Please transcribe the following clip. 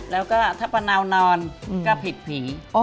แล้วก็ถ้าป้าเนานอนก็ผิดผี